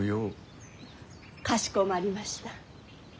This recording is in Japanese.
かしこまりました。